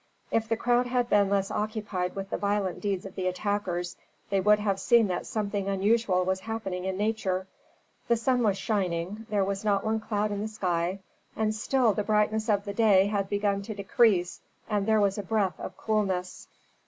If the crowd had been less occupied with the violent deeds of the attackers, they would have seen that something unusual was happening in nature. The sun was shining, there was not one cloud in the sky, and still the brightness of the day had begun to decrease and there was a breath of coolness.